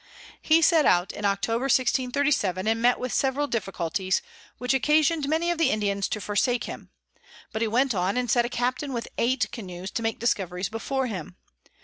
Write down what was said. He set out in October 1637. and met with several Difficulties, which occasion'd many of the Indians to forsake him; but he went on, and sent a Captain with eight Canoes to make Discoveries before him.